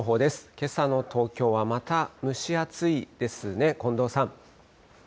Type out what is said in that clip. けさの東京はまた蒸し暑いですね、近藤さん。